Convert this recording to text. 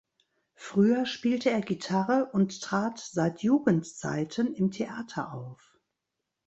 Früher spielte er Gitarre und trat seit Jugendzeiten im Theater auf.